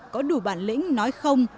có đủ bản lĩnh nói không